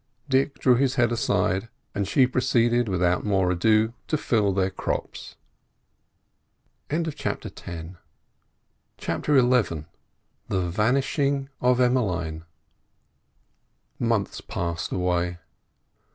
Dick drew his head aside, and she proceeded without more ado to fill their crops. CHAPTER XI THE VANISHING OF EMMELINE Months passed away.